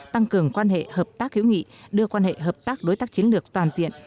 tăng cường quan hệ hợp tác hiếu nghị đưa quan hệ hợp tác đối tác chiến lược toàn diện